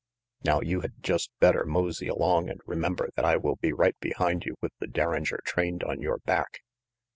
Now you had just better mosey along and remember that I will be right behind you with the derringer trained on your back."